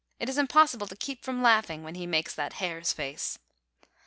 It is impossible to keep from laughing when he makes that hare's face.